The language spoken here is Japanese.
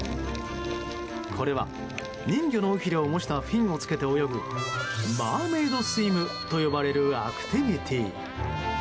これは人魚の尾ひれを模したフィンをつけて泳ぐマーメイドスイムと呼ばれるアクティビティー。